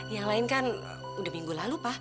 yang lain kan udah minggu lalu pak